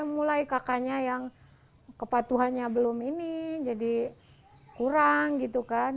mulai kakaknya yang kepatuhannya belum ini jadi kurang gitu kan